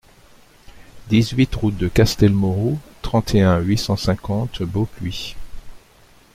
dix-huit rOUTE DE CASTELMAUROU, trente et un, huit cent cinquante, Beaupuy